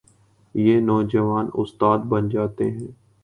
یہ نوجوان استاد بن جاتے ہیں۔